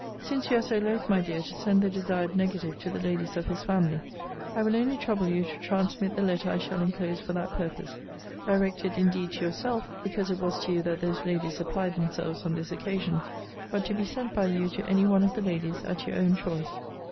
Since you are so loth, my dear, to send the desired negative to the ladies of his family, I will only trouble you to transmit the letter I shall enclose for that purpose; directed indeed to yourself, because it was to you that those ladies applied themselves on this occasion; but to be sent by you to any one of the ladies, at your own choice.